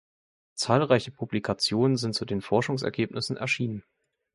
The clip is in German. Zahlreiche Publikationen sind zu den Forschungsergebnissen erschienen.